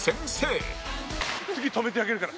次止めてあげるから。